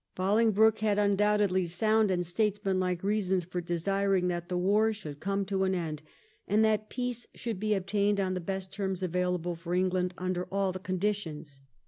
Bolingbroke had undoubtedly sound and states manlike reasons for desiring that the war should come to an end, and that peace should be ob tained on the best terms available for England under all the conditions.